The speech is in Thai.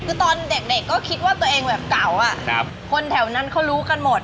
คือตอนเด็กก็คิดว่าตัวเองแบบเก่าคนแถวนั้นเขารู้กันหมด